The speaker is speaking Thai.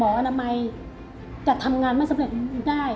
อนามัยจะทำงานไม่สำเร็จได้